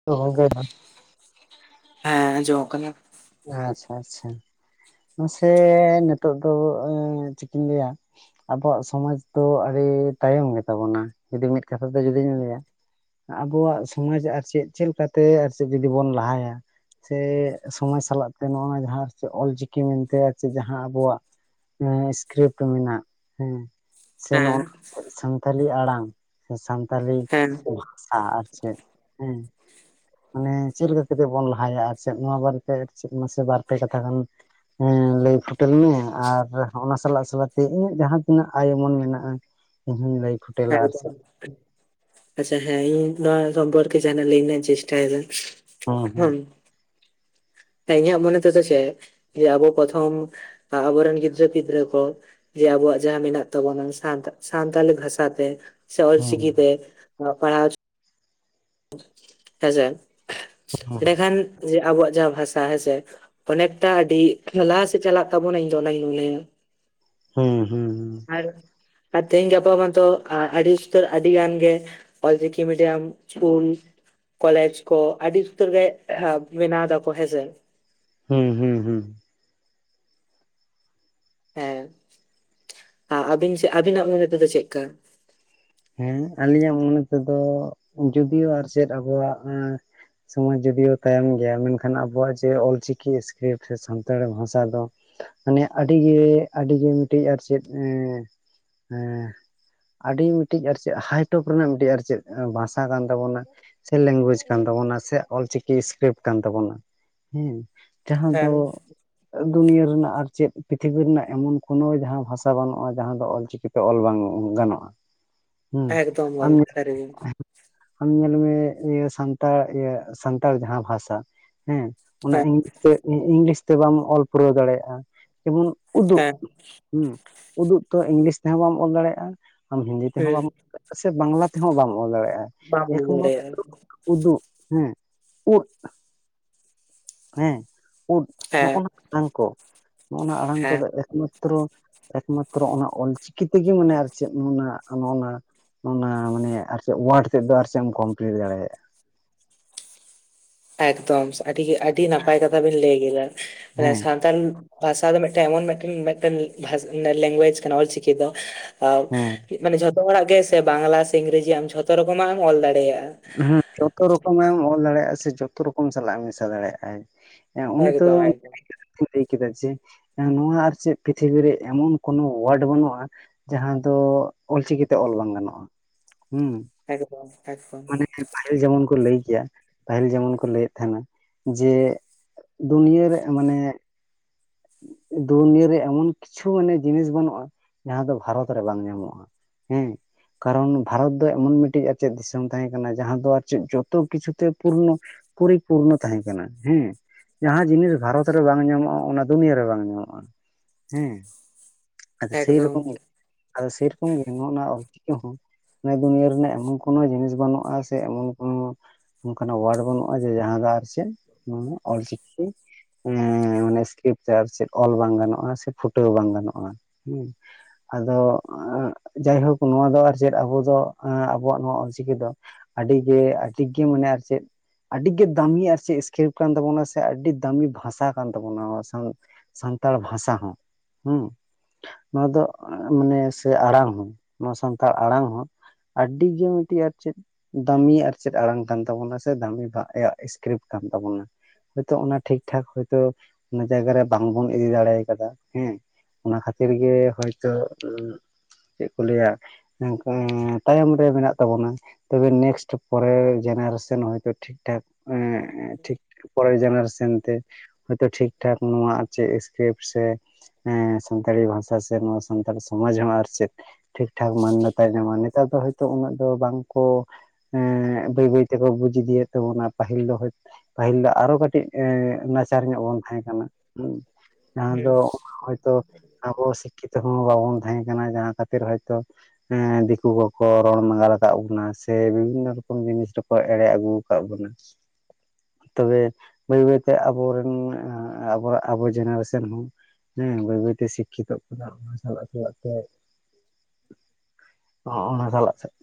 [unintelligible] ᱦᱮᱸ ᱟᱸᱡᱚᱢᱚᱜ ᱠᱟᱱᱟ᱾ ᱟᱪᱪᱷᱟ ᱟᱪᱪᱷᱟ᱾ ᱢᱟᱥᱮ ᱱᱤᱛᱚᱜ ᱫᱚ ᱚᱸ ᱪᱤᱠᱤᱧ ᱞᱟᱹᱭᱟ᱾ ᱟᱵᱚᱣᱟᱜ ᱥᱚᱢᱟᱡ ᱫᱚ ᱟᱹᱰᱤ ᱛᱟᱭᱚᱢ ᱜᱮᱛᱟᱵᱚᱱᱟ ᱡᱩᱫᱤ ᱢᱤᱫ ᱠᱟᱛᱷᱟ ᱛᱮ ᱡᱩᱫᱤᱧ ᱞᱟᱹᱭᱟ ᱟᱵᱚᱣᱟᱜ ᱥᱚᱢᱟᱡ ᱟᱨ ᱪᱮᱫ ᱪᱮᱫ ᱞᱮᱠᱟᱛᱮ ᱟᱨ ᱥᱮ ᱡᱩᱫᱤ ᱵᱚᱱ ᱞᱟᱦᱟᱭᱟ ᱥᱮ ᱥᱚᱢᱟᱡ ᱥᱟᱞᱟᱜ ᱛᱮ ᱱᱚᱜ ᱚᱱᱟ ᱡᱟᱦᱟᱸᱨ ᱥᱮ ᱚᱞᱪᱤᱠᱤ ᱢᱮᱱᱛᱮ ᱟᱨ ᱪᱮᱫ ᱡᱟᱦᱟᱸ ᱟᱵᱚᱣᱟᱜ ᱮᱸ ᱥᱠᱨᱤᱯᱴ ᱢᱮᱱᱟᱜ ᱦᱮᱸ ᱥᱮ ᱦᱮᱸ ᱱᱚᱜ-ᱱᱟ ᱪᱮᱫ ᱥᱟᱱᱛᱟᱞᱤ ᱟᱲᱟᱝ ᱥᱮ ᱥᱟᱱᱛᱟᱞᱤ ᱦᱮᱸ ᱵᱷᱟᱥᱟ ᱟᱨ ᱪᱮᱫ? ᱦᱮᱸ᱾ ᱢᱟᱱᱮ ᱪᱮᱫ ᱞᱮᱠᱟ ᱠᱟᱛᱮᱜ ᱵᱚᱱ ᱞᱟᱦᱟᱭᱟ ᱟᱨ ᱪᱮᱫ ᱱᱚᱣᱟ ᱵᱟᱨᱮ ᱟᱨ ᱪᱮᱫ ᱢᱟᱥᱮ ᱵᱟᱨ-ᱯᱮ ᱠᱟᱛᱷᱟ ᱜᱟᱱ ᱦᱮᱸ ᱞᱟᱹᱭ ᱯᱷᱚᱴᱮᱞ ᱢᱮ ᱟᱨ ᱦᱚᱸ-ᱚᱱᱟ ᱥᱟᱞᱟᱜ ᱥᱟᱞᱟᱜᱛᱮ ᱤᱧᱟᱹᱜ ᱡᱟᱦᱟᱸ ᱛᱤᱱᱟᱹᱜ ᱟᱭᱩᱢᱟᱹᱱ ᱢᱮᱱᱟᱜ-ᱟ᱾ ᱤᱧ ᱦᱩᱧ ᱞᱟᱹᱭ ᱠᱷᱩ ᱮᱠᱫᱚᱢ᱾ [inaudible] ᱟᱪᱪᱷᱟ ᱦᱮᱸ ᱤᱧ ᱱᱚᱣᱟ ᱥᱚᱢᱯᱚᱨᱠᱮ ᱡᱟᱦᱱᱟᱜ ᱞᱟᱹᱭ ᱨᱮᱱᱟᱜ ᱤᱧ ᱪᱮᱥᱴᱟᱭᱮᱫᱟ᱾ ᱦᱩᱸ ᱦᱩᱸ᱾ ᱦᱮᱸ ᱤᱧᱟᱹᱜ ᱢᱚᱱᱮ ᱛᱮᱫᱚ ᱪᱮᱫ, ᱡᱮ ᱟᱵᱚ ᱯᱨᱚᱛᱷᱚᱢ ᱟᱵᱚᱨᱮᱱ ᱜᱤᱫᱽᱨᱟᱹ ᱯᱤᱫᱽᱨᱟᱹ ᱠᱚ ᱡᱮ ᱟᱵᱚᱣᱟᱜ ᱡᱟᱦᱟᱸ ᱢᱮᱱᱟᱜ ᱛᱟᱵᱚᱱᱟ ᱥᱟᱱᱛ-ᱥᱟᱱᱛᱟᱞᱤ ᱵᱷᱟᱥᱟ ᱛᱮ ᱥᱮ ᱚᱞ ᱦᱮᱸ ᱪᱤᱠᱤ ᱛᱮ ᱚᱞᱚᱜᱼᱯᱟᱲᱦᱟᱣ ᱪᱚ ᱦᱮᱸᱥᱮ᱾ ᱮᱸᱰᱮᱠᱷᱟᱱ ᱡᱮ ᱟᱵᱚᱣᱟᱜ ᱡᱟᱦᱟᱸ ᱵᱷᱟᱥᱟ ᱦᱮᱸᱥᱮ ᱚᱱᱮᱠᱴᱟ ᱟᱹᱰᱤ ᱞᱟᱦᱟ ᱥᱮᱫ ᱪᱟᱞᱟᱜ ᱛᱟᱵᱚᱱᱟ ᱤᱧ ᱫᱚ ᱚᱱᱟᱜᱤᱧ ᱞᱮᱭᱟ᱾ ᱦᱩᱸ ᱦᱩᱸ ᱦᱩᱸ᱾ ᱟᱨᱼᱟᱨ ᱛᱮᱦᱮᱧ ᱜᱟᱯᱟ ᱢᱟᱛᱚ ᱟᱼᱟᱹᱰᱤ ᱩᱥᱛᱟᱹᱨ ᱟᱹᱰᱤ ᱜᱟᱱ ᱜᱮᱼᱼ Ol Chiki medium school college ᱠᱚ ᱟᱹᱰᱤ ᱩᱥᱛᱟᱹᱨ ᱜᱮ ᱮᱜᱼᱟ ᱵᱮᱱᱟᱣ ᱫᱟᱠᱚ ᱦᱮᱸᱥᱮ ᱦᱩᱸ ᱦᱩᱸ ᱦᱩᱸ ᱦᱮᱸ ᱟᱼᱟᱹᱵᱤᱱᱪᱮᱫ ᱟᱹᱵᱤᱱᱟᱜ ᱢᱮᱱ ᱛᱮ ᱫᱚ ᱪᱮᱜ ᱠᱟ? ᱦᱮᱸ ᱟᱞᱤᱧᱟᱜ ᱢᱚᱱᱮ ᱛᱮᱫᱚ ᱡᱚᱫᱤᱭᱳ ᱟᱨ ᱪᱮᱫ ᱟᱵᱚᱣᱟᱜ ᱮᱸ ᱥᱚᱢᱟᱡᱽ ᱡᱩᱫᱤᱭᱳ ᱛᱟᱭᱚᱢ ᱜᱮᱭᱟ ᱢᱮᱱᱠᱷᱟᱱ ᱟᱵᱚᱣᱟᱜ ᱡᱮ ᱚᱞ ᱪᱤᱠᱤ ᱥᱠᱨᱤᱯ ᱥᱮ ᱥᱟᱱᱛᱟᱲᱤ ᱵᱷᱟᱥᱟ ᱫᱚ, ᱢᱟᱱᱮ ᱟᱹᱰᱤᱜᱮ ᱟᱹᱰᱤᱜᱮ ᱢᱤᱫᱴᱤᱡ ᱟᱨ ᱪᱮᱫ ᱮᱸ ᱮᱻ ᱟᱹᱰᱤ ᱢᱤᱫᱴᱤᱡ ᱟᱨ ᱪᱮᱫ ᱦᱟᱭᱴᱚᱯ ᱨᱮᱱᱟᱜ ᱢᱤᱫᱴᱤᱡ ᱟᱨ ᱪᱮᱫ ᱵᱷᱟᱥᱟ ᱠᱟᱱ ᱛᱟᱵᱚᱱᱟ᱾ ᱥᱮ ᱞᱮᱝᱜᱩᱭᱮᱡ ᱠᱟᱱ ᱛᱟᱵᱳᱱᱟ ᱥᱮ ᱚᱞ ᱪᱤᱠᱤ ᱥᱠᱨᱤᱯᱴ ᱠᱟᱱ ᱛᱟᱵᱚᱱᱟ ᱦᱮᱸ᱾ ᱡᱟᱦᱟᱸ ᱫᱚ ᱦᱮᱸ ᱫᱩᱱᱤᱭᱟᱹ ᱨᱮᱱᱟᱜ ᱟᱨ ᱪᱮᱫ ᱯᱨᱤᱛᱷᱤᱵᱤ ᱨᱮᱱᱟᱜ ᱮᱢᱚᱱ ᱠᱳᱱᱳ ᱡᱟᱦᱟᱸ ᱵᱷᱟᱥᱟ ᱵᱟᱹᱱᱩᱜᱼᱟ ᱡᱟᱦᱟᱸ ᱫᱚ ᱚᱞᱪᱤᱠᱤ ᱛᱮ ᱚᱞ ᱵᱟᱝ ᱜᱟᱱᱚᱜᱼᱟ᱾ ᱦᱮᱸ ᱮᱠᱫᱚᱢ ᱟᱢ ᱜᱚᱢᱠᱮ ᱥᱟᱹᱨᱜᱮ ᱟᱢ ᱧᱮᱞ ᱢᱮ ᱤᱭᱟᱹ ᱥᱟᱱᱛᱟᱲ ᱤᱭᱟᱹ ᱥᱟᱱᱛᱟᱲ ᱡᱟᱦᱟᱸ ᱵᱷᱟᱥᱟ ᱦᱮᱸ ᱚᱱᱟ ᱦᱮᱸ ᱤᱝᱛᱮ ᱤᱝᱼᱤᱝᱞᱤᱥ ᱛᱮ ᱵᱟᱢ ᱚᱞ ᱯᱩᱨᱟᱹᱣ ᱫᱟᱲᱮᱭᱟᱜᱼᱟ ᱮᱢᱚᱱ ᱩᱫᱩᱜ ᱦᱮᱸ ᱦᱩᱸ ᱩᱫᱩᱜ ᱛᱚ ᱤᱝᱞᱤᱥ ᱛᱮᱦᱚᱸ ᱵᱟᱢ ᱚᱞ ᱫᱟᱲᱮᱭᱟᱜᱼᱟ ᱟᱢ ᱦᱤᱱᱫᱤ ᱛᱮᱦᱚᱸ ᱦᱩᱸ ᱵᱟᱢᱼᱼ ᱥᱮ ᱵᱟᱝᱞᱟ ᱛᱮᱦᱚᱸ ᱵᱟᱢ ᱚᱞ ᱫᱟᱲᱮᱭᱟᱜᱼᱟ ᱵᱟᱢ ᱞᱟᱹᱭ ᱮᱠᱢᱚᱛ ᱫᱟᱲᱮᱭᱟᱜᱼᱟ [unintelligible] ᱩᱫᱩᱜ ᱦᱮᱸ ᱩᱫ ᱦᱮᱸ ᱩᱫ ᱦᱮᱸ ᱱᱚᱜᱼᱚᱱᱟ ᱟᱲᱟᱝ ᱠᱚ ᱱᱚᱜᱼᱚᱱᱟ ᱟᱲᱟᱝ ᱦᱮᱸ ᱠᱚᱫᱚ ᱮᱠᱢᱟ ᱛᱨᱚ ᱮᱠᱢᱟᱛᱨᱚ ᱚᱱᱟ ᱚᱞ ᱪᱤᱠᱤ ᱛᱮᱜᱮ ᱢᱟᱱᱮ ᱟᱨ ᱪᱮᱫ ᱱᱚᱱᱟ, ᱱᱚᱜᱼᱱᱟᱼᱼ ᱚᱱᱟ ᱢᱟᱱᱮ ᱟᱨ ᱪᱮᱫ ᱳᱣᱟᱨᱰ ᱛᱮᱫ ᱫᱚ ᱟᱨ ᱪᱮᱫ ᱮᱢ ᱠᱚᱢᱯᱞᱤᱴ ᱫᱟᱲᱮᱭᱟᱜᱼᱟ᱾ ᱮᱠᱫᱚᱢ ᱟᱹᱰᱤ ᱜᱮ ᱟᱹᱰᱤ ᱱᱟᱯᱟᱭ ᱠᱟᱛᱷᱟ ᱵᱤᱱ ᱞᱟᱹᱭ ᱠᱮᱫᱟ ᱢᱟᱱᱮ ᱦᱮᱸ ᱥᱟᱱ ᱛᱟᱞ ᱵᱷᱟᱥᱟ ᱫᱚ ᱢᱤᱫᱴᱟᱝ ᱮᱢᱚᱱ ᱢᱤᱫᱴᱟᱝᱼᱢᱤᱫᱴᱟᱝ ᱞᱮᱝᱜᱩᱭᱮᱡᱽ ᱠᱟᱱᱟ ᱚᱞᱪᱤᱠᱤ ᱫᱚᱼᱼ ᱛᱟᱣ ᱦᱮᱸ ᱢᱟᱱᱮ ᱡᱷᱚᱛᱚ ᱦᱚᱲᱟᱜ ᱜᱮ ᱥᱮ ᱵᱟᱝᱞᱟ ᱥᱮ ᱤᱝᱨᱮᱡᱤ ᱟᱢ ᱡᱷᱚᱛᱚ ᱨᱚᱠᱚᱢᱟᱜ ᱮᱢ ᱚᱞ ᱫᱟᱲᱮᱭᱟᱜᱼᱟ᱾ ᱦᱩᱸ ᱡᱷᱚᱛᱚ ᱨᱚᱠᱚᱢᱟᱜ ᱮᱢ ᱚᱞ ᱫᱟᱲᱮᱭᱟᱜᱼᱟ ᱥᱮ ᱡᱷᱚᱛᱚ ᱨᱚᱠᱚᱢ ᱥᱟᱞᱟᱜ ᱮᱢ ᱢᱮᱥᱟ ᱫᱟᱲᱮᱭᱟᱜᱼᱟᱭ᱾ ᱦᱮᱸ ᱚᱱᱤ ᱛᱚ ᱮᱠᱫᱚᱢ ᱮᱠᱫᱚᱢ ᱛᱚ ᱞᱟᱹᱭ ᱠᱮᱫᱟ ᱡᱮ ᱱᱚᱣᱟ ᱟᱨ ᱪᱮᱫ ᱯᱨᱤᱛᱷᱤᱵᱤᱨ ᱨᱮ ᱮᱢᱚᱱ ᱠᱳᱱᱳ ᱳᱣᱟᱨᱰ ᱵᱟᱹᱱᱩᱜᱼᱟ ᱡᱟᱦᱟᱸ ᱫᱚ ᱚᱞ ᱪᱤᱠᱤᱛᱮ ᱚᱞ ᱵᱟᱝ ᱜᱟᱱᱚᱜᱼᱟ ᱦᱩᱸ᱾ ᱮᱠᱫᱚᱢ ᱮᱠᱫᱚᱢ᱾ ᱢᱟᱱᱮ ᱯᱟᱹᱦᱤᱞ ᱡᱮᱢᱚᱱ ᱠᱚ ᱞᱟᱹᱭ ᱠᱮᱭᱟ ᱯᱟᱹᱦᱤᱞ ᱡᱮᱢᱚᱱ ᱠᱚ ᱞᱟᱹᱭᱮᱫ ᱛᱟᱦᱮᱱᱟ ᱡᱮᱼᱼ ᱫᱩᱱᱭᱟᱹ ᱨᱮᱜ ᱢᱟᱱᱮᱼᱼ ᱫᱩᱱᱭᱟᱹᱨᱮ ᱮᱢᱚᱱ ᱠᱤᱪᱷᱩ ᱢᱟᱱᱮ ᱡᱤᱱᱤᱥ ᱵᱟᱹᱱᱩᱜᱼᱟ ᱡᱟᱦᱟᱸ ᱫᱚ ᱵᱷᱟᱨᱚᱛ ᱨᱮ ᱵᱟᱝ ᱧᱟᱢᱚᱜᱼᱟ᱾ ᱦᱮᱸᱼᱼ ᱠᱟᱨᱚᱱ ᱵᱷᱟᱨᱚᱛ ᱫᱚ ᱮᱢᱚᱱ ᱢᱤᱫᱴᱤᱡ ᱟᱨ ᱪᱮᱫ ᱫᱤᱥᱚᱢ ᱛᱟᱦᱮᱸ ᱠᱟᱱᱟ ᱡᱟᱦᱟᱸ ᱫᱚ ᱟᱨ ᱪᱮᱫ ᱡᱷᱚᱛᱚ ᱠᱤᱪᱷᱩ ᱛᱮ ᱯᱩᱨᱱᱚᱼᱼ ᱯᱚᱨᱤᱯᱩᱨᱱᱚ ᱛᱟᱦᱮᱸ ᱠᱟᱱᱟ ᱦᱮᱸ ᱡᱟᱦᱟᱸ ᱡᱤᱱᱤᱥ ᱵᱷᱟᱨᱚᱛ ᱨᱮ ᱵᱟᱝ ᱧᱟᱢᱚᱜᱼᱟ ᱚᱱᱟ ᱫᱩᱱᱤᱭᱟᱹ ᱨᱮ ᱵᱟᱝ ᱧᱟᱢᱚᱜᱼᱟ ᱦᱮᱸ ᱟᱫᱚ ᱥᱮᱭ ᱮᱠᱫᱚᱢ ᱨᱚᱠᱚᱢᱼᱼ ᱟᱫᱚ ᱥᱮᱨᱚᱠᱚᱢ ᱜᱮ ᱱᱚᱜ‌ᱼᱱᱟ ᱚᱞ ᱪᱤᱠᱤ ᱦᱚᱸᱼᱼ ᱱᱚᱣᱟ ᱫᱩᱱᱤᱭᱟᱹ ᱨᱮᱱᱟᱜ ᱮᱢᱚᱱ ᱠᱳᱱᱳ ᱡᱤᱱᱤᱥ ᱵᱟᱱᱩᱜᱼᱟ ᱥᱮ ᱮᱢᱚᱱ ᱠᱳᱱᱳ ᱚᱱᱠᱟᱱᱟᱜ ᱳᱣᱟᱨᱰ ᱵᱟᱹᱱᱩᱜᱼᱟ ᱡᱮ ᱡᱟᱦᱟᱸ ᱫᱚ ᱟᱨ ᱪᱮᱫ ᱢᱟᱱᱮ ᱚᱞ ᱪᱤᱠᱤᱼᱼ ᱚᱱᱮᱻ ᱢᱟᱱᱮ ᱥᱠᱨᱤᱯᱴ ᱛᱮ ᱟᱨ ᱪᱮᱫ ᱚᱞ ᱵᱟᱝ ᱜᱟᱱᱚᱜᱼᱟ ᱥᱮ ᱯᱷᱩᱴᱟᱹᱣ ᱵᱟᱝ ᱜᱟᱱᱚᱜᱼᱟ ᱦᱩᱸ᱾ ᱟᱫᱚ ᱮᱸᱜ ᱡᱟᱭᱦᱳᱠ ᱱᱚᱣᱟ ᱫᱚ ᱟᱨ ᱪᱮᱫ ᱟᱵᱚ ᱫᱚ ᱮᱸᱜ ᱟᱵᱚᱣᱟᱜ ᱱᱚᱣᱟ ᱚᱞ ᱪᱤᱠᱤ ᱫᱚ ᱟᱹᱰᱤᱜᱮ ᱟᱹᱰᱤᱜᱮ ᱢᱟᱱᱮ ᱟᱨ ᱪᱮᱫ᱾ ᱟᱹᱰᱤ ᱜᱮ ᱫᱟᱢᱤ ᱟᱨ ᱪᱮᱫ ᱥᱠᱨᱤᱯᱴ ᱠᱟᱱ ᱛᱟᱵᱚᱱᱟ ᱥᱮ ᱟᱹᱰᱤ ᱫᱟᱢᱤ ᱵᱷᱟᱥᱟ ᱠᱟᱱ ᱛᱟᱵᱚᱱᱟ ᱚᱱᱟ ᱥᱟᱶᱦᱮᱼᱼ ᱥᱟᱱᱛᱟᱲ ᱵᱷᱟᱥᱟ ᱦᱚᱸ, ᱦᱩᱸ᱾ ᱱᱚᱣᱟ ᱫᱚ ᱢᱟᱱᱮ ᱥᱮ ᱟᱲᱟᱝ ᱦᱚᱸ, ᱱᱚᱣᱟ ᱥᱟᱱᱛᱷᱟᱲ ᱟᱲᱟᱝ ᱦᱚᱸ᱾ ᱟᱰᱤ ᱜᱮ ᱢᱤᱱᱴᱤᱡ ᱟᱨ ᱪᱮᱫ ᱫᱟᱢᱤᱭᱟᱜ ᱟᱨ ᱪᱮᱫ ᱟᱲᱟᱝ ᱠᱟᱱ ᱛᱟᱵᱚᱱᱟ ᱥᱮ ᱫᱟᱢᱤᱭᱟᱜ ᱮ ᱤᱥᱠᱨᱤᱯᱴ ᱠᱟᱱ ᱛᱟᱵᱚᱱᱟ᱾ ᱦᱳᱭᱛᱳ ᱚᱱᱟ ᱴᱷᱤᱠ ᱴᱷᱟᱠ ᱦᱳᱭᱛᱚ ᱚᱱᱟ ᱡᱟᱭᱜᱟ ᱨᱮ᱾ ᱵᱟᱝᱵᱚᱱ ᱤᱫᱤ ᱫᱟᱲᱮ ᱠᱟᱫᱟ ᱦᱮᱸ ᱚᱱᱟ ᱠᱷᱟᱹᱛᱤᱨ ᱜᱮ ᱦᱚᱭᱛᱚ ᱪᱮᱱ ᱠᱚ ᱞᱟᱹᱭᱟ [unintelligible] ᱛᱟᱭᱚᱢ ᱨᱮ ᱢᱮᱱᱟᱜ ᱛᱟᱵᱚᱱᱟ᱾ ᱛᱚᱵᱮ ᱱᱮᱠᱥᱴ ᱯᱚᱨᱮᱨ ᱡᱮᱱᱟᱨᱮᱥᱚᱱ ᱦᱚᱭᱛᱚ ᱴᱷᱤᱠ ᱴᱷᱟᱠ᱾ ᱮ ᱴᱷᱤᱠ ᱯᱚᱨᱮ ᱡᱮᱱᱟᱨᱮᱥᱚᱱ ᱛᱮ ᱦᱚᱭᱛᱚ ᱴᱷᱤᱠ ᱴᱷᱟᱠ ᱱᱚᱣᱟ ᱪᱮᱫ ᱤᱥᱠᱨᱤᱯᱴ ᱥᱮ ᱮᱸ ᱥᱟᱱᱛᱟᱲᱤ ᱵᱷᱟᱥᱟ ᱥᱮ ᱱᱚᱣᱟ ᱥᱟᱱᱛᱟᱲ ᱥᱚᱢᱟᱡᱽ ᱦᱚᱸ ᱟᱨ ᱪᱮᱫ ᱴᱷᱤᱠ ᱴᱷᱟᱠ ᱢᱟᱹᱱᱱᱟᱹᱛᱟᱭ ᱧᱟᱢᱟ ᱱᱮᱛᱟᱨ ᱫᱚ ᱦᱚᱭᱛᱳ ᱩᱱᱟᱹᱜ ᱫᱚ ᱵᱟᱝᱠᱚ ᱮᱸᱻ ᱵᱟᱹᱭ ᱵᱟᱹᱭ ᱛᱮᱠᱚ ᱵᱩᱡ ᱤᱫᱤᱭᱮᱫ ᱛᱟᱵᱚᱱᱟ ᱯᱟᱹᱦᱤᱞ ᱫᱚ ᱦᱚᱭ ᱯᱟᱹᱦᱤᱞ ᱫᱚ ᱟᱨᱚ ᱠᱟᱴᱤᱡ ᱮ ᱱᱟᱪᱟᱨ ᱧᱚᱜ ᱵᱚᱱ ᱛᱟᱦᱮᱸ ᱠᱟᱱᱟ ᱦᱩᱸ ᱡᱟᱦᱟᱸ ᱦᱩᱸ ᱫᱚ ᱛᱚ ᱟᱵᱚ ᱥᱤᱠᱠᱷᱤᱛᱚ ᱦᱚᱸ ᱵᱟᱵᱚᱱ ᱛᱟᱦᱮᱸ ᱠᱟᱱᱟ, ᱡᱟᱦᱟᱸ ᱠᱷᱟᱹᱛᱤᱨ ᱦᱚᱭᱛᱚ ᱦᱮᱸ ᱫᱤᱠᱩ ᱠᱚᱠᱚ ᱨᱚᱲ ᱢᱟᱜᱟᱞ ᱟᱠᱟᱜ ᱵᱚᱱᱟ ᱥᱮ ᱵᱤᱵᱷᱤᱱᱱᱚ ᱨᱚᱠᱚᱢ ᱡᱤᱱᱤᱥ ᱨᱮᱠᱚ ᱮᱲᱮ ᱟᱜᱩ ᱟᱠᱟᱱ ᱵᱚᱱᱟ᱾ ᱛᱚᱵᱮ ᱵᱟᱹᱭ ᱵᱟᱹᱭᱛᱮ ᱟᱵᱚᱨᱮᱱ ᱟᱵᱚᱣᱟᱜ ᱟᱵᱚ ᱡᱮᱱᱟᱨᱮᱥᱚᱱ ᱦᱚᱸ ᱦᱮᱸ ᱵᱟᱹᱭ ᱵᱟᱹᱭ ᱛᱮ ᱥᱤᱠᱠᱷᱤᱛᱚᱜ ᱠᱟᱱᱟ, ᱚᱱᱟ ᱥᱟᱞᱟᱜ ᱥᱟᱞᱟᱜ ᱛᱮ ᱚ [unintelligible]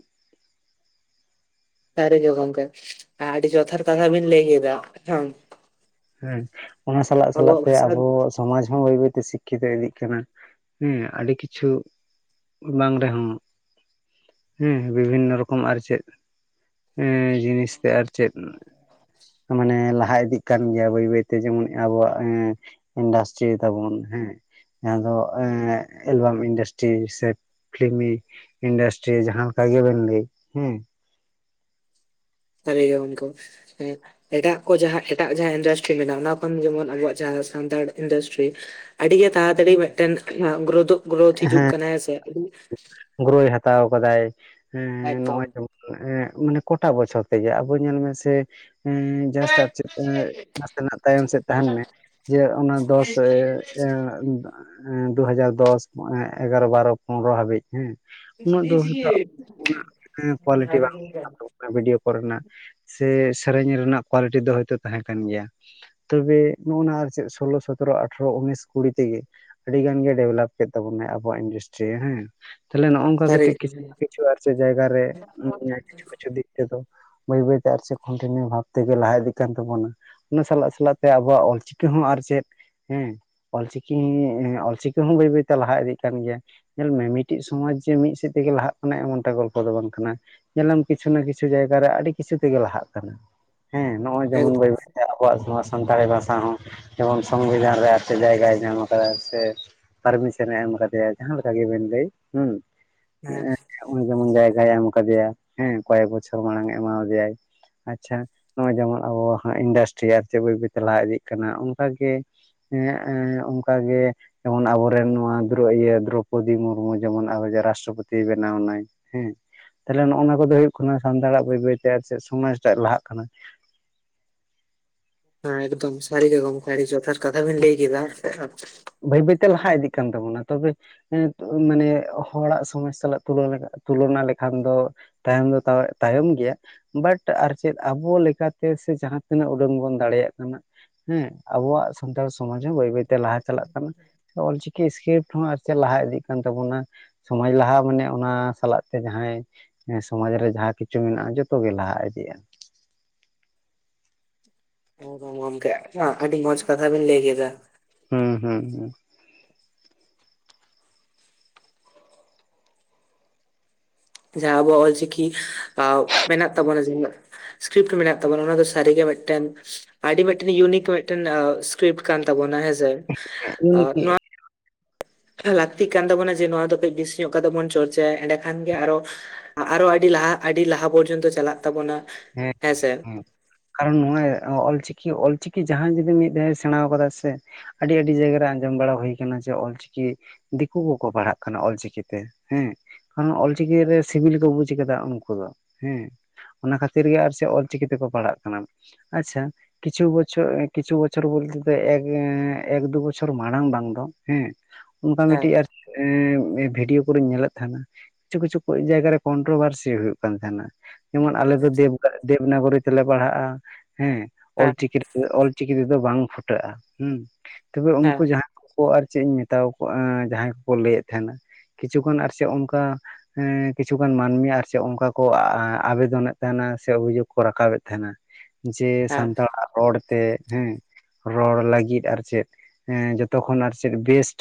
ᱥᱟᱨᱤ ᱜᱮ ᱜᱚᱝᱠᱮ ᱟᱰᱤ ᱡᱚᱛᱷᱟᱛ ᱠᱟᱛᱷᱟ ᱵᱤᱱ ᱞᱟᱹᱭ ᱠᱮᱫᱟ, ᱦᱮᱸ᱾ ᱦᱮᱸ, ᱚᱱᱟ ᱥᱟᱞᱟᱜ ᱥᱟᱞᱟᱜ ᱟᱵᱚᱣᱟᱜ ᱛᱮ ᱵᱷᱟᱥᱟ ᱟᱵᱚ ᱥᱚᱢᱟᱡ ᱦᱚᱸ ᱵᱟᱹᱭ ᱵᱟᱹᱭᱛᱮ ᱥᱤᱠᱠᱷᱤᱛᱚ ᱤᱫᱤᱜ ᱠᱟᱱᱟ ᱦᱮᱸ ᱟᱹᱰᱤ ᱠᱤᱪᱷᱩ ᱵᱟᱝ ᱨᱮᱦᱚᱸ, ᱦᱮᱸ ᱵᱤᱵᱷᱤᱱᱱᱚ ᱨᱚᱠᱚᱢ ᱟᱨ ᱪᱮᱫ ᱮᱸ ᱡᱤᱱᱤᱥᱛᱮ ᱟᱨ ᱪᱮᱫ ᱢᱟᱱᱮ ᱞᱟᱦᱟ ᱤᱫᱤᱜ ᱠᱟᱱ ᱜᱮᱭᱟ ᱵᱟᱹᱭ ᱵᱟᱹᱭᱛᱮ, ᱡᱮᱢᱚᱱ ᱟᱵᱚᱣᱟᱜ ᱤᱱᱰᱟᱥᱴᱨᱤ ᱛᱟᱵᱚᱱ ᱦᱮᱸ᱾ ᱡᱟᱦᱟᱸ ᱫᱚ ᱮᱸ ᱮᱞᱵᱟᱢ ᱤᱱᱰᱟᱥᱴᱨᱤ ᱥᱮ ᱯᱷᱤᱞᱢᱤ ᱤᱱᱰᱟᱥᱴᱨᱤ ᱡᱟᱦᱟᱸ ᱞᱮᱠᱟ ᱜᱮᱵᱮᱱ ᱞᱟᱹᱭ ᱦᱮᱸ᱾ ᱥᱟᱹᱨᱤ ᱜᱮ ᱜᱚᱝᱠᱮ, ᱮᱸ᱾ ᱮᱴᱟᱜ ᱠᱚ ᱡᱟᱦᱟᱸ ᱮᱴᱟᱜ ᱡᱟᱦᱟᱸ ᱤᱱᱰᱟᱥᱴᱨᱤ ᱢᱮᱱᱟᱜ-ᱟ, ᱚᱱᱟ ᱠᱷᱚᱱ ᱡᱮᱢᱚᱱ ᱟᱵᱚᱣᱟᱜ ᱡᱟᱦᱟᱸ ᱥᱟᱱᱛᱟᱲ ᱤᱱᱰᱟᱥᱴᱨᱤ᱾ ᱟᱹᱰᱤᱜᱮ ᱛᱟᱲᱟᱛᱟᱲᱤ ᱢᱤᱫᱴᱮᱱ ᱜᱨᱳᱫᱳᱜ ᱜᱨᱳᱛᱷ ᱦᱤᱡᱩᱜ ᱠᱟᱱᱟᱭ ᱦᱮᱥᱮ᱾ ᱜᱨᱤᱭ ᱦᱟᱛᱟᱣ ᱠᱟᱫᱟᱭ, ᱮᱠᱫᱚᱢ ᱱᱚᱜ-ᱚᱭ ᱛᱚ᱾ ᱮ ᱢᱟᱱᱮ ᱠᱚᱴᱟ ᱵᱚᱪᱷᱚᱨ ᱛᱮᱜᱮ, ᱟᱵᱚ ᱧᱮᱞ ᱢᱮᱥᱮ ᱮ ᱡᱟᱥ ᱪᱮ ᱱᱟᱥᱮᱱᱟᱜ ᱛᱟᱭᱚᱢ ᱥᱮᱫ ᱛᱟᱦᱮᱱ ᱢᱮ, ᱡᱮ ᱚᱱᱟ ᱫᱚᱥ ᱮ ᱫᱩ ᱦᱟᱡᱟᱨ ᱫᱚᱥ ᱮᱜᱟᱨᱚ ᱵᱟᱨᱚ ᱯᱚᱱᱮᱨᱚ ᱦᱟᱹᱵᱤᱡ ᱦᱮᱸ᱾ ᱩᱱᱟᱹᱜ ᱫᱚ ᱦᱩᱭᱛᱚ ᱩᱱᱟᱹᱜ ᱠᱳᱣᱟᱞᱤᱴᱤ ᱵᱟᱱᱩᱜ-ᱟ ᱵᱷᱤᱰᱭᱳ ᱠᱚ ᱨᱮᱱᱟᱜ ᱥᱮ ᱥᱮᱨᱮᱧ ᱨᱮᱱᱟᱜ ᱠᱳᱣᱟᱞᱤᱴᱤ ᱫᱚ ᱦᱚᱭᱛᱳ ᱛᱟᱦᱮᱸ ᱠᱟᱱ ᱜᱮᱭᱟ᱾ ᱛᱚᱵᱮ ᱱᱚᱜ-ᱱᱟ ᱟᱨ ᱪᱮᱫ ᱥᱳᱞᱳ ᱥᱚᱛᱮᱨᱚ ᱟᱴᱷᱨᱚ ᱩᱱᱤᱥ ᱠᱩᱲᱤ ᱛᱮᱜᱮ᱾ ᱟᱹᱰᱤ ᱜᱟᱱ ᱜᱮ ᱰᱮᱵᱷᱞᱚᱯ ᱠᱮᱫ ᱛᱟᱵᱚᱱᱟᱭ ᱟᱵᱚᱭᱟᱜ ᱤᱱᱰᱟᱥᱴᱨᱤ᱾ ᱪᱮ ᱦᱮᱸ ᱛᱟᱦᱮ ᱱᱚᱜ-ᱚ ᱱᱚᱝᱠᱟ ᱥᱟᱹᱨᱤ ᱠᱟᱛᱮᱜ ᱠᱤᱪᱷᱩ ᱠᱤᱪᱷᱩ ᱟᱨ ᱡᱟᱭᱜᱟ ᱨᱮ ᱠᱤᱪᱷᱩ ᱠᱤᱪᱷᱩ ᱫᱤᱠ ᱛᱮᱫᱚ ᱵᱟᱹᱭ ᱵᱟᱹᱭᱛᱮ ᱟᱨ ᱠᱚᱱᱴᱤᱱᱤᱭ ᱵᱷᱟᱵᱽ ᱛᱮᱜᱮ ᱞᱟᱦᱟ ᱤᱫᱤᱜ ᱠᱟᱱ ᱛᱟᱵᱚᱱᱟ᱾ ᱚᱱᱟ ᱥᱟᱞᱟᱜ ᱥᱟᱞᱟᱜ ᱛᱮ ᱟᱵᱚᱣᱟᱜ ᱚᱞ ᱪᱤᱠᱤ ᱦᱚᱸ ᱟᱨ ᱪᱮᱫ ᱦᱩᱸ, ᱚᱞᱪᱤᱠᱤ ᱚᱞᱪᱤᱠᱤ ᱦᱚᱸ ᱵᱟᱹᱭ ᱵᱟᱹᱭᱛᱮ ᱞᱟᱦᱟ ᱤᱫᱤᱜ ᱠᱟᱱ ᱜᱮᱭᱟ᱾ ᱧᱮᱞ ᱢᱮ ᱢᱤᱫᱴᱤᱡ ᱥᱚᱢᱟᱡᱽ ᱡᱮ ᱢᱤᱫ ᱥᱮᱫ ᱛᱮᱜᱮ ᱞᱟᱦᱟᱜ ᱠᱟᱱᱟ ᱮᱢᱚᱱᱴᱟᱜ ᱜᱚᱞᱯᱚ ᱫᱚ ᱵᱟᱝ ᱠᱟᱱᱟ᱾ ᱧᱮᱞᱟᱢ ᱠᱤᱪᱷᱩ ᱱᱟ ᱠᱤᱪᱷᱩ ᱡᱟᱭᱜᱟ ᱨᱮ ᱟᱹᱰᱤ ᱠᱤᱪᱷᱩ ᱛᱮᱜᱮ ᱞᱟᱦᱟᱜ ᱠᱟᱱᱟ ᱦᱮᱸ ᱱᱚᱜ-ᱚᱭ ᱡᱮᱢᱚᱱ ᱮᱠᱫᱚᱢ ᱵᱟᱹᱭ ᱵᱟᱹᱭ ᱛᱮ ᱟᱵ ᱵᱚᱣᱟᱜ ᱱᱚᱣᱟ ᱥᱟᱱᱛᱟᱲᱤ ᱵᱷᱟᱥᱟ ᱦᱚᱸ ᱡᱮᱢᱚᱱ ᱥᱚᱝᱵᱤᱫᱷᱟᱱ ᱨᱮ ᱟᱨ ᱪᱮᱱ ᱡᱟᱭᱜᱟᱭ ᱧᱟᱢ ᱟᱠᱟᱫᱟᱭ ᱥᱮ᱾ ᱯᱟᱨᱢᱤᱥᱚᱱᱮ ᱮᱢ ᱠᱟᱫᱮᱭᱟ ᱡᱟᱦᱟᱸ ᱞᱮᱠᱟ ᱜᱮᱵᱮᱱ ᱞᱟᱹᱭ ᱦᱩᱸ᱾ ᱦᱮᱸ ᱩᱱᱤ ᱡᱮᱢᱚᱱ ᱡᱟᱭᱜᱟᱭ ᱮᱢ ᱠᱟᱫᱮᱭᱟ ᱾ ᱦᱮᱸ ᱠᱚᱭᱮᱠ ᱵᱚᱪᱷᱚᱨ ᱢᱟᱲᱟᱝ ᱮᱢᱟ ᱟᱫᱮᱭᱟᱭ ᱾ ᱟᱪᱪᱷᱟ ᱱᱚᱜ-ᱚᱭ ᱡᱮᱢᱚᱱ ᱟᱵᱚ ᱤᱱᱰᱟᱥᱴᱨᱤ ᱟᱨ ᱪᱮᱫ ᱵᱟᱹᱭ ᱵᱟᱹᱭ ᱪᱟᱞᱟᱣ ᱤᱫᱤᱜ ᱠᱟᱱᱟ, ᱚᱱᱠᱟᱜᱮ ᱦᱮᱸ ᱚᱱᱠᱟ ᱜᱮ ᱡᱮᱢᱚᱱ ᱟᱵᱚᱨᱮᱱ ᱱᱚᱣᱟ ᱫᱨᱚ ᱤᱭᱟᱹ ᱫᱨᱚ ᱯᱚᱫᱤ ᱢᱩᱨᱢᱩ ᱡᱮᱢᱚᱱ ᱟᱵᱚ ᱨᱟᱥᱴᱨᱚᱯᱚᱛᱤ ᱵᱮᱱᱟᱣ ᱮᱱᱟᱭ ᱦᱮᱸ ᱾ ᱛᱟᱦᱞᱮ ᱱᱚᱜ-ᱚ ᱱᱚᱣᱟ ᱠᱚᱫᱚ ᱦᱩᱭᱩᱜ ᱠᱟᱱᱟ ᱥᱟᱱᱛᱟᱲᱟᱜ ᱵᱟᱹᱭ ᱵᱟᱹᱭ ᱛᱮ ᱟᱨ ᱪᱮᱫ ᱥᱚᱢᱟᱡᱽ ᱴᱟᱜ ᱞᱟᱦᱟᱜ ᱠᱟᱱᱟ ᱾ ᱦᱮᱸ ᱮᱠᱫᱚᱢ ᱥᱟᱹᱨᱤ ᱜᱮ ᱜᱚᱝᱠᱮ ᱟᱹᱰᱤ ᱡᱚᱛᱷᱟᱛ ᱠᱟᱛᱷᱟ ᱵᱤᱱ ᱞᱟᱹᱭ ᱠᱮᱫᱟ ᱾ [inaudible] ᱵᱟᱹᱭ ᱵᱟᱹᱭ ᱛᱮ ᱞᱟᱦᱟ ᱤᱫᱤᱜ ᱠᱟᱱ ᱛᱟᱵᱚᱱᱟ ᱾ ᱛᱚᱵᱮ ᱦᱮᱸ ᱛᱚ ᱢᱟᱱᱮ ᱦᱚᱲᱟᱜ ᱥᱚᱢᱟᱡᱽ ᱥᱟᱞᱟᱜ ᱛᱩᱞᱚᱱᱟ ᱞᱮᱠᱷᱟᱱ ᱫᱚ ᱛᱟᱭᱚᱢ ᱫᱚ ᱛᱟᱣᱮᱜ ᱛᱟᱭᱚᱢ ᱜᱮᱭᱟ ᱾ ᱵᱟᱴ ᱟᱨ ᱪᱮᱫ ᱟᱵᱚ ᱞᱮᱠᱟ ᱛᱮ ᱥᱮ ᱡᱟᱦᱟᱸ ᱛᱤᱱᱟᱹᱜ ᱩᱰᱟᱹᱱ ᱵᱚᱱ ᱫᱟᱲᱮᱭᱟᱜ ᱠᱟᱱᱟ ᱦᱮᱸ ᱟᱵᱚᱣᱟᱜ ᱥᱟᱱᱛᱟᱲ ᱥᱚᱢᱟᱡᱽ ᱦᱚᱸ ᱵᱟᱹᱭ ᱵᱟᱹᱭ ᱛᱮ ᱞᱟᱦᱟ ᱪᱟᱞᱟᱜ ᱚᱞ ᱪᱤᱠᱤ ᱤᱥᱠᱨᱤᱯᱴ ᱦᱚᱸ ᱟᱨ ᱪᱮᱫ ᱞᱟᱦᱟ ᱤᱫᱤᱜ ᱠᱟᱱ ᱛᱟᱵᱚᱱᱟ ᱾ ᱥᱚᱢᱟᱡᱽ ᱞᱟᱦᱟᱜ-ᱟ, ᱢᱟᱱᱮ ᱚᱱᱟ ᱥᱟᱞᱟᱜ ᱛᱮ ᱡᱟᱦᱟᱸᱭ ᱦᱮᱸ ᱥᱚᱢᱟᱡᱽ ᱨᱮ ᱡᱟᱦᱟᱸ ᱠᱤᱪᱷᱩ ᱢᱮᱱᱟᱜ-ᱟ ᱡᱚᱛᱚ ᱜᱮ ᱞᱟᱦᱟ ᱤᱫᱤᱜ-ᱟ ᱾ ᱦᱚᱸ ᱜᱚᱝᱠᱮ ᱟᱹᱰᱤ ᱢᱚᱸᱡᱽ ᱠᱟᱛᱷᱟ ᱵᱤᱱ ᱞᱟᱹᱭ ᱠᱮᱫᱟ ᱾ ᱦᱩᱸ ᱦᱩᱸ ᱦᱩᱸ ᱾ ᱡᱟᱦᱟᱸ ᱟᱵᱚᱣᱟᱜ ᱚᱞ ᱪᱤᱠᱤ ᱢᱮᱱᱟᱜ ᱛᱟᱵᱚᱱᱟ [unintelligible] ᱥᱠᱨᱤᱯᱴ ᱢᱮᱱᱟᱜ ᱛᱟᱵᱚᱱᱟ ᱚᱱᱟ ᱫᱚ ᱥᱟᱹᱨᱤ ᱜᱮ ᱢᱤᱫᱴᱮᱱ ᱟᱹᱰᱤ ᱢᱤᱫᱴᱮᱱ ᱤᱭᱩᱱᱤᱠ ᱢᱤᱫᱴᱮᱱ ᱥᱠᱨᱤᱯᱴ ᱠᱟᱱ ᱛᱟᱵᱚᱱᱟ ᱦᱮᱸ ᱥᱮ ᱤᱭᱩᱱᱤᱠᱤ ᱾ ᱱᱚᱣᱟ ᱞᱟᱹᱠᱛᱤᱜ ᱠᱟᱱ ᱛᱟᱵᱚᱱᱟ ᱡᱮ ᱱᱚᱣᱟ ᱫᱚ ᱠᱟᱹᱡ ᱵᱤᱥᱤ ᱧᱚᱜ ᱠᱟᱛᱮᱜ ᱵᱚᱱ ᱪᱚᱨᱪᱟᱭᱟ, ᱮᱸᱰᱮ ᱠᱷᱟᱱ ᱜᱮ ᱟᱨᱚ ᱟᱨᱚ ᱟᱹᱰᱤ ᱞᱟᱦᱟ ᱟᱹᱰᱤ ᱞᱟᱦᱟ ᱯᱚᱨᱡᱚᱱᱛᱚ ᱪᱟᱞᱟᱜ ᱛᱟᱵᱚᱱᱟ ᱾ ᱦᱮᱸ [inaudible] ᱦᱩᱸ ᱾ ᱠᱟᱨᱚᱱ ᱱᱚᱜ-ᱚᱭ ᱚᱞ ᱪᱤᱠᱤ ᱚᱞ ᱪᱤᱠᱤ ᱡᱟᱦᱟᱸᱭ ᱡᱩᱫᱤ ᱢᱤᱫ ᱫᱷᱟᱣᱮ ᱥᱮᱬᱟᱣ ᱟᱠᱟᱫᱟ ᱥᱮ ᱟᱹᱰᱤ ᱟᱹᱰᱤ ᱡᱟᱭᱜᱟ ᱨᱮ ᱟᱸᱡᱚᱢ ᱵᱟᱲᱟ ᱦᱩᱭ ᱟᱠᱟᱱᱟ ᱡᱮ ᱚᱞ ᱪᱤᱠᱤ ᱫᱤᱠᱩ ᱠᱚᱠᱚ ᱯᱟᱲᱦᱟᱜ ᱠᱟᱱᱟ ᱚᱞ ᱪᱤᱠᱤ ᱛᱮ ᱦᱮᱸ ᱾ ᱠᱷᱟᱱ ᱚᱞ ᱪᱤᱠᱤ ᱨᱮ ᱥᱤᱵᱤᱞ ᱠᱚ ᱵᱩᱡᱽ ᱟᱠᱟᱫᱟ ᱩᱱᱠᱩ ᱫᱚ ᱦᱮᱸ ᱾ ᱚᱱᱟ ᱠᱷᱟᱹ ᱛᱤᱨ ᱜᱮ ᱟᱨ ᱪᱮᱜ ᱚᱞ ᱪᱤᱠᱤ ᱛᱮᱠᱚ ᱯᱟᱲᱦᱟᱜ ᱠᱟᱱᱟ ᱾ ᱟᱪᱪᱷᱟ ᱠᱤᱪᱷᱩ ᱵᱚᱪᱷᱚ ᱠᱤᱪᱷᱩ ᱵᱚᱪᱷᱚᱨ ᱵᱚᱞ ᱛᱮᱫᱚ ᱮᱸ ᱮᱠ ᱫᱩ ᱵᱚᱪᱷᱚᱨ ᱢᱟᱲᱟᱝ ᱵᱟᱝ ᱫᱚ ᱦᱮᱸ ᱚᱱᱠᱟ ᱦᱮᱸ ᱢᱤᱫᱴᱮᱱ ᱟᱨ ᱵᱷᱤᱰᱤᱭᱳ ᱠᱚᱨᱤᱧ ᱧᱮᱞᱮᱫ ᱛᱟᱦᱮᱱᱟ, ᱠᱤᱪᱷᱩ ᱠᱤᱪᱷᱩᱠ ᱡᱟᱭᱜᱟ ᱨᱮ ᱠᱚᱱᱴᱨᱚᱵᱷᱟᱨᱥᱤ ᱦᱩᱭᱩᱜ ᱠᱟᱱ ᱛᱟᱦᱮᱱᱟ ᱾ ᱡᱮᱢᱚᱱ ᱟᱞᱮ ᱫᱚ ᱦᱮᱸ ᱫᱮᱵᱽ ᱫᱮᱵᱽᱱᱟᱜᱚᱨᱤ ᱛᱮᱞᱮ ᱯᱟᱲᱦᱟᱜ-ᱟ ᱦᱮᱸ, ᱚᱞ ᱪᱤᱠᱤ ᱚᱞ ᱪᱤᱠᱤ ᱛᱮᱫᱚ ᱵᱟᱝ ᱯᱷᱩᱴᱟᱹᱜ-ᱟ ᱦᱩᱸ ᱛᱚᱵᱮ ᱩᱝᱠᱩ ᱦᱮᱸ ᱡᱟᱦᱟᱸ ᱚ ᱟᱨ ᱪᱮᱜ ᱤᱧ ᱢᱮᱛᱟᱣ ᱟᱠᱚᱣᱟ ᱡᱟᱦᱟᱸᱭ ᱠᱚᱠᱚ ᱞᱟᱹᱭᱮᱫ ᱛᱟᱦᱮᱱᱟ ᱠᱤᱪᱷᱩᱜᱟᱱ ᱟᱨ ᱪᱮᱫ ᱚᱝᱠᱟ ᱠᱤᱪᱷᱩᱜᱟᱱ ᱢᱟᱹᱱᱢᱤ ᱟᱨ ᱪᱮᱫ ᱚᱱᱠᱟ ᱠᱚ ᱟᱵᱮᱫᱚᱱ ᱮᱫ ᱛᱟᱦᱮᱱᱟ ᱥᱮ ᱚᱵᱷᱤᱡᱳᱜᱽ ᱠᱚ ᱨᱟᱠᱟᱵᱮᱫ ᱛᱟᱦᱮᱱᱟ ᱡᱮ, ᱦᱮᱸ ᱥᱟᱱᱛᱟᱲ ᱟᱜ ᱨᱚᱲ ᱛᱮ ᱦᱮᱸ ᱨᱚᱲ ᱞᱟᱹᱜᱤᱫ ᱟᱨ ᱪᱮᱫ ᱡᱚᱛᱚ ᱠᱷᱚᱱ ᱟᱨ ᱪᱮᱫ ᱵᱮᱥᱴ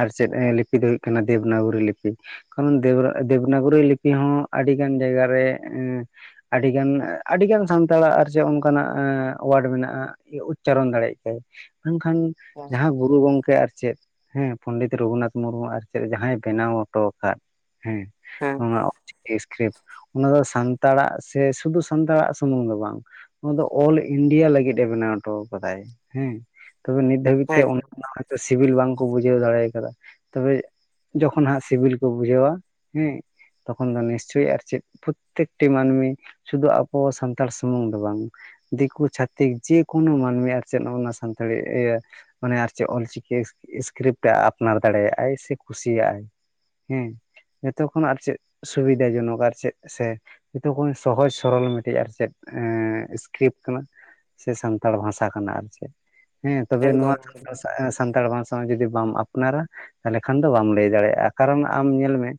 ᱟᱨ ᱪᱮᱫ ᱞᱤᱯᱤ ᱫᱚ ᱦᱩᱭᱩᱜ ᱠᱟᱱᱟ ᱫᱮᱵᱽᱱᱟᱜᱚᱨᱤ ᱞᱤᱯᱤ ᱾ ᱠᱟᱨᱚᱱ ᱫᱮᱵᱽᱨᱟ ᱫᱮᱵᱽᱱᱟᱜᱚᱨᱤ ᱞᱤᱯᱤ ᱦᱚᱸ ᱟᱹᱰᱤ ᱜᱟᱱ ᱡᱟᱭᱜᱟ ᱨᱮ ᱮᱸ ᱟᱹᱰᱤ ᱜᱟᱱ ᱟᱹᱰᱤ ᱜᱟᱱ ᱥᱟᱱᱛᱟᱲᱟᱜ ᱟᱨ ᱪᱮᱫ ᱚᱱᱠᱟᱱᱟᱜ ᱳᱣᱟᱨᱰ ᱢᱮᱱᱟᱜ-ᱟ ᱩᱪᱪᱟᱨᱚᱱ ᱫᱟᱲᱮᱭᱟᱜ ᱜᱮᱭᱟᱭ, ᱢᱮᱱᱠᱷᱟᱱ ᱦᱮᱸ ᱡᱟᱦᱟᱸ ᱜᱩᱨᱩ ᱜᱚᱝᱠᱮ ᱟᱨ ᱪᱮᱫ ᱦᱮᱸ ᱯᱚᱱᱰᱤᱛ ᱨᱟᱜᱷᱩᱱᱟᱛᱷ ᱢᱩᱨᱢᱩ ᱟᱨ ᱪᱮᱫ ᱡᱟᱦᱟᱸᱭ ᱵᱮᱱᱟᱣ ᱦᱚᱴᱚ ᱟᱠᱟᱫ [inaudible] ᱦᱮᱸ ᱦᱮᱸ [unintelligible] ᱥᱠᱨᱤᱯᱴ ᱚᱱᱟ ᱫᱚ ᱥᱟᱱᱛᱟᱲᱟᱜ ᱥᱮ ᱥᱩᱫᱩ ᱥᱟᱱᱛᱟᱲᱟᱜ ᱥᱩᱢᱩᱝ ᱫᱚ ᱵᱟᱝ ᱱᱚᱶᱟ ᱫᱚ ᱚᱞ ᱤᱱᱰᱤᱭᱟ ᱞᱟᱹᱜᱤᱫ ᱮ ᱵᱮᱱᱟᱣ ᱦᱚᱴᱚ ᱟᱠᱟᱫᱟᱭ ᱦᱮᱸ, ᱛᱚᱵᱮ ᱱᱤᱛ ᱫᱷᱟᱹᱵᱤᱡ ᱛᱮ ᱮᱠᱫᱚᱢ [unintelligible] ᱥᱤᱵᱤᱞ ᱵᱟᱝ ᱠᱚ ᱵᱩᱡᱷᱟᱹᱣ ᱫᱟᱲᱮ ᱟᱠᱟᱫᱟ, ᱛᱚᱵᱮ ᱡᱚᱠᱷᱚᱱ ᱦᱟᱸᱜ ᱥᱤᱵᱤᱞ ᱠᱚ ᱵᱩᱡᱷᱟᱹᱣᱟ ᱦᱮᱸ ᱛᱚᱠᱷᱚᱱ ᱫᱚ ᱱᱤᱥᱪᱚᱭ ᱟᱨ ᱪᱮᱫ ᱯᱨᱚᱛᱮᱠ ᱴᱤ ᱢᱟᱱᱢᱤ ᱥᱩᱫᱩ ᱟᱵᱚ ᱥᱟᱱᱛᱟᱲ ᱥᱩᱢᱩᱝ ᱫᱚ ᱵᱟᱝ ᱫᱤᱠᱩ ᱪᱷᱟᱛᱤᱠ ᱡᱮ ᱠᱳᱱᱳ ᱢᱟᱱᱢᱤ ᱟᱨ ᱪᱮᱫ ᱱᱚᱜᱼᱱᱟ ᱥᱟᱱᱛᱟᱲᱤ ᱤᱭᱟᱹ ᱢᱟᱱᱮ ᱟᱨ ᱪᱮᱫ ᱚᱞ ᱪᱤᱠᱤ ᱥᱠᱨᱤᱯᱴ ᱮ ᱟᱯᱱᱟᱨ ᱫᱟᱲᱮᱭᱟᱜᱼᱟᱭ ᱥᱮ ᱠᱩᱥᱤᱭᱟᱜᱼᱟᱭ ᱦᱮᱸ ᱡᱚᱛᱚ ᱠᱷᱚᱱᱟᱜ ᱟᱨ ᱪᱮᱫ ᱥᱩᱵᱤᱫᱟ ᱡᱚᱱᱚᱠ ᱟᱨ ᱪᱮᱫ ᱥᱮ ᱡᱚᱛᱚ ᱠᱷᱚᱱ ᱥᱚᱦᱚᱡ ᱥᱚᱨᱚᱞ ᱢᱤᱫ ᱴᱮᱡ ᱟᱨ ᱪᱮᱫ ᱥᱠᱨᱤᱯᱴ ᱠᱟᱱᱟ ᱥᱮ ᱥᱟᱱᱛᱟᱲ ᱵᱷᱟᱸᱥᱟ ᱠᱟᱱᱟ ᱟᱨ ᱪᱮᱫ ᱦᱮᱸ ᱛᱚᱵᱮ ᱮᱠᱫᱚᱢ ᱱᱚᱣᱟ ᱥᱟᱱᱛᱟᱲ ᱵᱷᱟᱸᱥᱟ ᱵᱟᱝ ᱡᱩᱫᱤ ᱵᱟᱢ ᱟᱯᱱᱟᱨᱟ ᱛᱟᱦᱞᱮ ᱠᱷᱟᱱ ᱫᱚ ᱵᱟᱢ ᱞᱟᱹᱭ ᱫᱟᱲᱮᱭᱟᱜᱼᱟ ᱠᱟᱨᱚᱱ ᱟᱢ ᱧᱮᱞ ᱢᱮ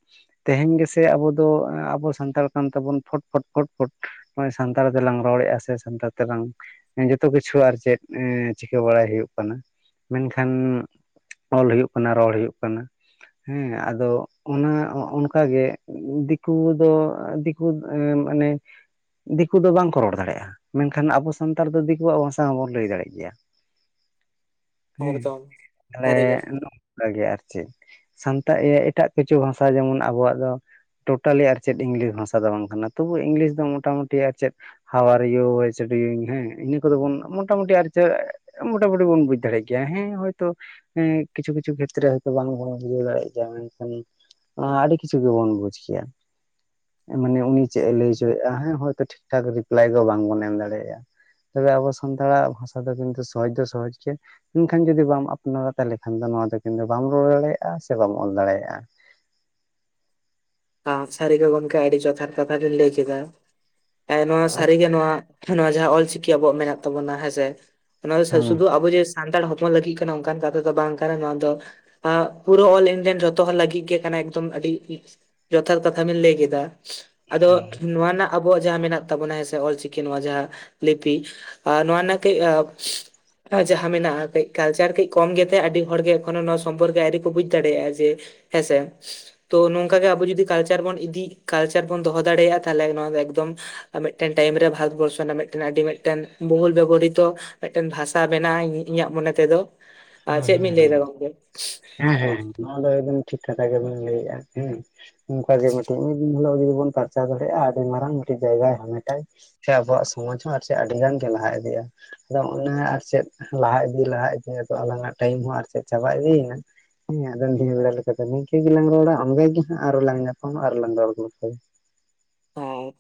ᱛᱮᱦᱮᱧ ᱜᱮᱥᱮ ᱟᱵᱳ ᱫᱚ ᱟᱵᱳ ᱥᱟᱱᱛᱟᱲ ᱠᱟᱱ ᱛᱟᱵᱚᱱ ᱯᱷᱚᱴ ᱯᱷᱚᱴ ᱯᱷᱚᱴ ᱱᱚᱭ ᱥᱟᱱᱛᱟᱲ ᱛᱮᱞᱟᱝ ᱨᱚᱲᱮᱫᱼᱟ ᱥᱮ ᱥᱟᱱᱛᱟᱲ ᱛᱮᱞᱟᱝ ᱡᱚᱛᱚ ᱠᱤᱪᱷᱩ ᱟᱨ ᱪᱮᱫ ᱪᱤᱠᱟᱹ ᱵᱟᱲᱟᱭ ᱦᱩᱭᱩᱜ ᱠᱟᱱᱟ ᱢᱮᱱᱠᱷᱟᱱ ᱚᱞ ᱦᱩᱭᱩᱜ ᱠᱟᱱᱟ ᱨᱚᱲ ᱦᱩᱭᱩᱜ ᱠᱟᱱᱟ ᱾ ᱦᱮᱸ ᱟᱫᱚ ᱚᱱᱟ ᱚᱱᱠᱟ ᱜᱮ ᱫᱤᱠᱩ ᱫᱚ ᱫᱤᱠᱩ ᱢᱟᱱᱮ ᱫᱤᱠᱩ ᱫᱚ ᱵᱟᱝᱠᱚ ᱨᱚᱲ ᱫᱟᱲᱮᱭᱟᱜᱼᱟ ᱢᱮᱱᱠᱷᱟᱱ ᱟᱵᱚ ᱥᱟᱱᱛᱟᱲ ᱫᱚ ᱫᱤᱠᱩᱣᱟᱜ ᱵᱷᱟᱥᱟ ᱦᱚᱸᱵᱚᱱ ᱞᱟᱹᱭ ᱫᱟᱲᱮᱜ ᱜᱮᱭᱟ ᱦᱮᱸ ᱮᱠᱫᱚᱢ ᱛᱟᱦᱞᱮ ᱥᱟᱹᱨᱤᱜᱮ ᱱᱚᱠᱟ ᱜᱮ ᱟᱨ ᱪᱮᱫ ᱥᱟᱱᱛᱟ ᱤᱭᱟᱹ ᱮᱴᱟᱜ ᱠᱤᱪᱷᱩ ᱵᱷᱟᱥᱟ ᱡᱮᱢᱚᱱ ᱟᱵᱚᱣᱟᱜ ᱫᱚ ᱴᱳᱴᱟᱞᱤ ᱟᱨ ᱪᱮᱫ ᱤᱧ ᱞᱟᱹᱭᱟ ᱵᱷᱟᱥᱟ ᱫᱚ ᱵᱟᱝ ᱠᱟᱱᱟ ᱛᱚᱵᱩ ᱤᱝᱞᱤᱥ ᱫᱚ ᱢᱚᱴᱟᱢᱩᱴᱤ ᱟᱨ ᱪᱮᱫ ᱦᱟᱣᱟᱨ ᱤᱭᱩ ᱳᱭᱥᱚᱰᱤᱝ ᱦᱮᱸ ᱤᱱᱟᱹ ᱠᱚᱫᱚ ᱵᱚᱱ ᱢᱚᱴᱟᱢᱩᱴᱤ ᱟᱨ ᱪᱮᱫ ᱢᱚᱴᱟᱢᱩᱴᱤ ᱵᱚᱱ ᱵᱩᱡ ᱫᱟᱲᱮᱭᱟᱜ ᱜᱮᱭᱟ ᱦᱮᱸ ᱦᱳᱭᱛᱳ ᱦᱮᱸ ᱠᱤᱷᱩ ᱠᱤᱪᱷᱩ ᱠᱷᱮᱛᱨᱮ ᱦᱳᱭ ᱛᱚ ᱵᱟᱝ ᱵᱩᱡᱷᱟᱹᱣ ᱫᱟᱲᱮᱭᱟᱜᱼᱟ ᱢᱮᱱᱠᱷᱟᱱ ᱚᱸᱻ ᱟᱰᱤ ᱠᱤᱪᱷᱩ ᱜᱮᱵᱚᱱ ᱵᱩᱡ ᱠᱮᱜ-ᱟ ᱢᱟᱱᱮ ᱩᱱᱤ ᱪᱮᱫ ᱮ ᱞᱟᱹᱭ ᱦᱚᱪᱚᱭᱮᱫᱼᱟ ᱦᱮᱸ ᱦᱚᱭ ᱛᱚ ᱴᱷᱤᱠ ᱴᱷᱟᱠ ᱨᱤᱯᱞᱟᱭ ᱫᱚ ᱵᱟᱝ ᱵᱚᱱ ᱮᱢ ᱫᱟᱲᱮᱭᱟᱜᱼᱟ ᱛᱚᱵᱮ ᱟᱵᱚ ᱥᱟᱱᱛᱟᱲᱟᱜ ᱵᱷᱟᱥᱟ ᱫᱚ ᱠᱤᱱᱛᱩ ᱥᱚᱦᱚᱡᱽ ᱫᱚ ᱥᱚᱦᱚᱡᱽ ᱜᱮᱭᱟ ᱢᱮᱱᱠᱷᱟᱱ ᱡᱩᱫᱤ ᱵᱟᱢ ᱟᱯᱱᱟᱨᱟ ᱛᱟᱦᱚᱞᱮ ᱠᱷᱟᱱ ᱫᱚ ᱱᱚᱣᱟ ᱫᱚ ᱠᱤᱱᱛᱩ ᱵᱟᱢ ᱨᱚᱲ ᱫᱟᱲᱮᱭᱟᱜᱼᱟ ᱥᱮ ᱵᱟᱢ ᱚᱞ ᱫᱟᱲᱮᱭᱟᱜᱼᱟ ᱾ ᱥᱟᱹᱨᱤᱜᱮ ᱜᱚᱢᱠᱮ ᱟᱹᱰᱤ ᱡᱚᱛᱷᱟᱛ ᱠᱟᱛᱷᱟ ᱵᱮᱱ ᱞᱟᱹᱭ ᱠᱮᱫᱟ ᱮ ᱱᱚᱣᱟ ᱥᱟᱹᱨᱤᱜᱮ ᱱᱚᱣᱟ ᱱᱚᱣᱟ ᱡᱟᱦᱟᱸ ᱚᱞᱪᱤᱠᱤ ᱟᱵᱚᱣᱟᱜ ᱢᱮᱱᱟᱜ ᱛᱟᱵᱚᱱᱟ ᱦᱮᱸᱥᱮ ᱚᱱᱟ ᱦᱮᱸ ᱥᱩᱫᱷᱩ ᱟᱵᱚ ᱡᱮ ᱥᱟᱱᱛᱟᱲ ᱦᱚᱯᱚᱱ ᱞᱟᱹᱜᱤᱫ ᱠᱟᱱᱟ ᱚᱱᱠᱟᱱ ᱠᱟᱛᱷᱟ ᱫᱚ ᱵᱟᱝ ᱠᱟᱱᱟ ᱱᱚᱣᱟ ᱫᱚ ᱯᱩᱨᱟᱹ ᱚᱞ ᱤᱱᱰᱤᱭᱟᱱ ᱡᱷᱚᱛᱚ ᱦᱚᱲ ᱞᱟᱹᱜᱤᱫ ᱜᱮ ᱠᱟᱱᱟ ᱮᱠᱫᱚᱢ ᱟᱹᱰᱤ ᱡᱚᱛᱷᱟᱛ ᱠᱟᱛᱷᱟ ᱵᱮᱱ ᱞᱟᱹᱭ ᱠᱮᱫᱟ ᱟᱫᱚ ᱱᱚᱣᱟ ᱨᱮᱱᱟᱜ ᱟᱵᱚᱣᱟᱜ ᱡᱟᱦᱟᱸ ᱢᱮᱱᱟᱜ ᱛᱟᱵᱚᱱᱟ ᱦᱮᱸ ᱥᱮ ᱚᱞᱪᱤᱠᱤ ᱱᱚᱣᱟ ᱡᱟᱦᱟᱸ ᱞᱤᱯᱤ ᱱᱚᱣᱟ ᱨᱮᱱᱟᱜ ᱠᱟᱹᱡ ᱡᱟᱦᱟᱸ ᱢᱮᱱᱟᱜᱼᱟ ᱠᱟᱹᱡ ᱠᱟᱞᱪᱟᱨ ᱠᱟᱹᱡ ᱠᱚᱢ ᱜᱮ ᱛᱮ ᱟᱹᱰᱤ ᱦᱚᱲᱜᱮ ᱮᱠᱷᱚᱱᱳ ᱱᱚᱣᱟ ᱥᱚᱢᱯᱚᱨᱠᱮ ᱟᱹᱣᱨᱤ ᱠᱚ ᱵᱩᱡ ᱫᱟᱲᱮᱭᱟᱜᱼᱟ ᱡᱮ ᱦᱮᱸᱥᱮ ᱛᱚ ᱱᱚᱝᱠᱟ ᱜᱮ ᱟᱵᱚ ᱡᱩ ᱫᱤ ᱠᱟᱞᱪᱟᱨ ᱵᱚᱱ ᱤᱫᱤ ᱠᱟᱞᱪᱟᱨ ᱵᱚᱱ ᱫᱚᱦᱚ ᱫᱟᱲᱮᱭᱟᱜᱼᱟ ᱛᱟᱦᱚᱞᱮ ᱱᱚᱣᱟ ᱮᱠᱫᱚᱢ ᱟᱨ ᱢᱤᱫᱴᱮᱱ ᱴᱟᱭᱤᱢ ᱨᱮ ᱵᱷᱟᱨᱚᱛᱵᱚᱨᱥᱚ ᱨᱮᱱᱟᱜ ᱢᱤᱫᱴᱮᱱ ᱟᱹᱰᱤ ᱢᱤᱫᱴᱮᱱ ᱵᱷᱚᱦᱩᱞ ᱵᱮᱵᱚᱦᱚᱨᱤᱛᱚ ᱢᱤᱫᱴᱮᱱ ᱵᱷᱟᱥᱟ ᱵᱮᱱᱟᱜ ᱤᱧᱟᱹᱜ ᱢᱚᱱᱮ ᱛᱮᱫᱚ ᱟᱨ ᱦᱮᱸ ᱪᱮᱫ ᱵᱮᱱ ᱞᱟᱹᱭ ᱦᱮᱸ ᱫᱟ ᱜᱚᱝᱠᱮ ᱦᱮᱸ ᱦᱮᱸ ᱱᱚᱣᱟ ᱫᱚ ᱮᱠᱫᱚᱢ ᱴᱷᱤᱠ ᱠᱟᱛᱷᱟ ᱜᱮᱵᱚᱱ ᱞᱟᱹᱭᱮᱜᱼᱟ ᱦᱮᱸ ᱩᱱᱠᱟ ᱜᱮ ᱢᱤᱫᱴᱮᱱ ᱩᱱ ᱦᱤᱞᱳᱜ ᱡᱩᱫᱤ ᱵᱚᱱ ᱯᱟᱨᱪᱟᱣ ᱫᱟᱲᱮᱭᱟᱜᱼᱟ ᱟᱹᱰᱤ ᱢᱟᱨᱟᱝ ᱢᱤᱫᱴᱤᱡ ᱡᱟᱭᱜᱟᱭ ᱦᱟᱢᱮᱴᱟᱭ ᱥᱮ ᱟᱵᱚᱣᱟᱜ ᱥᱚᱢᱟᱡ ᱦᱚᱸ ᱟᱹᱰᱤ ᱜᱟᱱ ᱜᱮ ᱞᱟᱦᱟ ᱤᱫᱤᱜᱼᱟ ᱟᱫᱚ ᱚᱱᱟ ᱟᱨ ᱪᱮᱫ ᱞᱟᱦᱟ ᱤᱫᱤ ᱞᱟᱦᱟ ᱤᱫᱤ ᱟᱞᱟᱝᱟᱜ ᱴᱟᱭᱤᱢ ᱦᱚᱸ ᱟᱨᱪᱮᱫ ᱪᱟᱵᱟ ᱤᱫᱤᱭᱮᱱᱟ ᱦᱮᱸ ᱟᱫᱚ [unintelligible] ᱱᱤᱝᱠᱟᱹ ᱜᱮᱞᱟᱝ ᱨᱚᱲᱟ ᱚᱱᱠᱟ ᱜᱮ ᱦᱟᱸᱜ ᱟᱨᱚ ᱞᱟᱝ ᱧᱟᱯᱟᱢ ᱟᱨᱞᱟᱝ ᱨᱚᱲ ᱜᱚᱞᱯᱚᱭᱟ ᱾ ᱦᱳᱭ